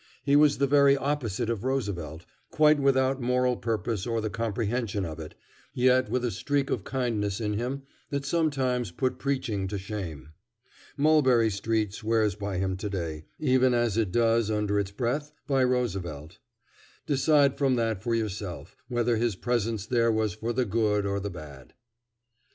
He was the very opposite of Roosevelt quite without moral purpose or the comprehension of it, yet with a streak of kindness in him that sometimes put preaching to shame. Mulberry Street swears by him to day, even as it does, under its breath, by Roosevelt. Decide from that for yourself whether his presence there was for the good or the bad.